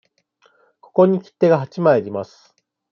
ここに切手が八枚あります。